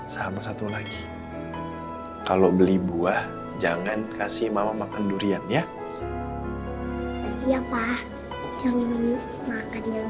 sama satu lagi kalau beli buah jangan kasih mama makan durian ya ya pak jangan makan yang